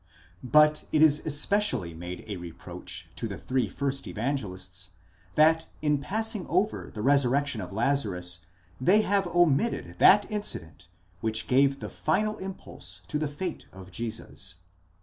—But it is especially made a reproach to three first Evangelists, that in passing over the resurrection of Lazarus, they have omitted that incident which gave the final impulse to the fate of Jesus.